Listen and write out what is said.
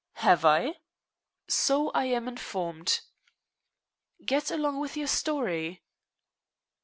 "Have I?" "So I am informed." "Get along with your story."